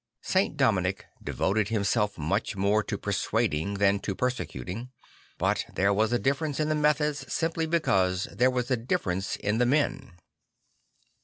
St. Dominic devoted himself much more to persuading than to persecuting; but there was a difference in the methods simply because there was a difference in the men.